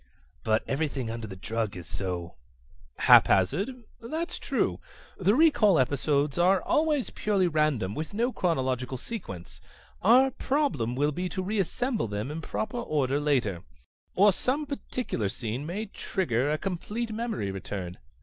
"But everything under the drug is so ..." "Haphazard? That's true. The recall episodes are always purely random, with no chronological sequence. Our problem will be to reassemble them in proper order later. Or some particular scene may trigger a complete memory return.